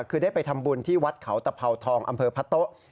คือได้ไปทำบุญที่วัดเขาตะเภาทองอำเภอพะโต๊ะ